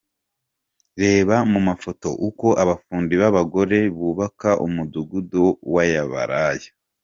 Reba mu mafoto uko abafundi b’abagore bubaka umudugudu w’Ayabaraya .